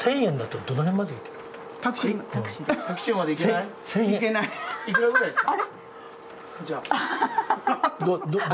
いくらくらいですか？